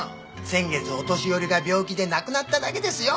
先月お年寄りが病気で亡くなっただけですよ。